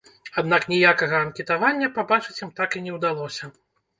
Аднак ніякага анкетавання пабачыць ім так і не ўдалося.